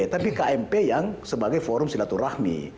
tapi kmp yang sebagai forum silaturahmi